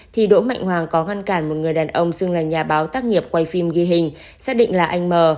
thì đỗ mạnh hoàng có ngăn cản một người đàn ông xưng là nhà báo tác nghiệp quay phim ghi hình xác định là anh m